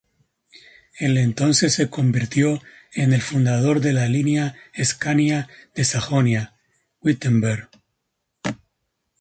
El entonces se convirtió en el fundador de la línea ascania de Sajonia-Wittenberg.